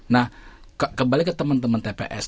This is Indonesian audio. nah kembali ke teman teman tps